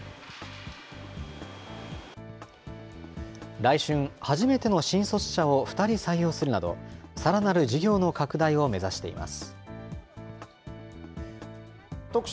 来春、初めての新卒者を２人採用するなど、さらなる事業の拡大を目指しています。